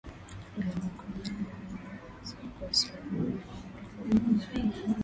ila makundi haya yawezekuwasiliana kunaundwa lugha ambayo